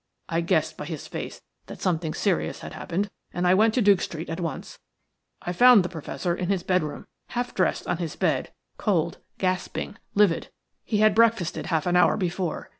I guessed by his face that something serious had happened, and I went to Duke Street at once, I found the Professor in his bedroom, half dressed on his bed, cold, gasping, livid. He had breakfasted half an hour before.